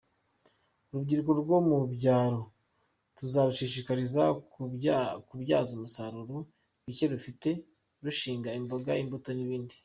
Urubyiruko rwo mu byaro tuzarushishikariza kubyaza umusaruro bike rufite ruhinge imboga imbuto n’ibindi.